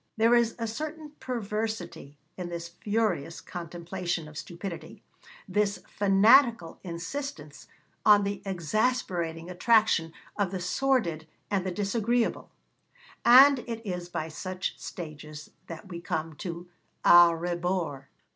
There is a certain perversity in this furious contemplation of stupidity, this fanatical insistence on the exasperating attraction of the sordid and the disagreeable; and it is by such stages that we come to A Rebours.